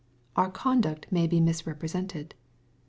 ) ^wx conduct may be misrepre sented.